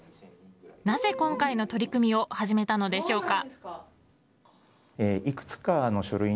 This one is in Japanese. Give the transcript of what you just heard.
なぜ今回の取り組みを始めたのでしょうか？